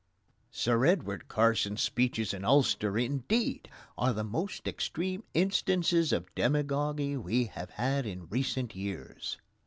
Sir Edward Carson's speeches in Ulster, indeed, are the most extreme instances of demagogy we have had in recent years.